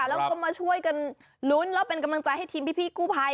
แล้วก็มาช่วยกันลุ้นแล้วเป็นกำลังใจให้ทีมพี่กู้ภัย